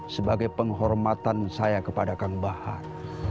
sebagai penghormatan saya kepada kang bahat